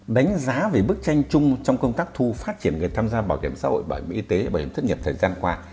đánh giá về bức tranh chung trong công tác thu phát triển người tham gia bảo hiểm xã hội bảo hiểm y tế bảo hiểm thất nghiệp thời gian qua